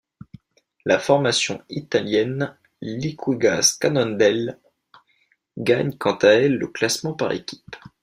La formation italienne Liquigas-Cannondale gagne quant à elle le classement par équipes.